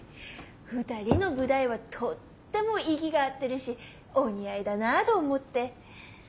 二人の舞台はとっても息が合ってるしお似合いだなあど思って。